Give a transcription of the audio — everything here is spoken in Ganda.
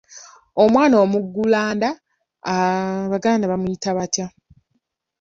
Omwana omuggulanda, Abaganda bamuyita batya?